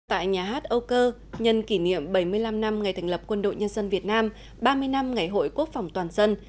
tại nhà hát âu cơ nhân kỷ niệm bảy mươi năm năm ngày thành lập quân đội nhân dân việt nam ba mươi năm ngày hội quốc phòng toàn dân